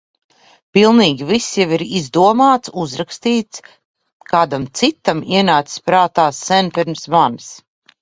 Pilnīgi viss jau ir izdomāts, uzrakstīts, kādam citam ienācis prātā sen pirms manis.